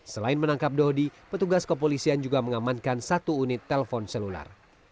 selain menangkap dodi petugas kepolisian juga mengamankan satu unit telpon selular